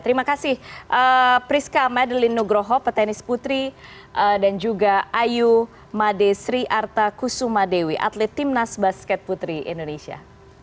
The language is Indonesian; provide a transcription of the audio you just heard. terima kasih priska medelin nugroho petenis putri dan juga ayu made sri arta kusuma dewi atlet timnas basket putri indonesia